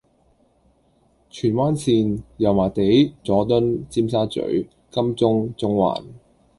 荃灣綫：油麻地，佐敦，尖沙咀，金鐘，中環